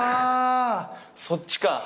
そっちか。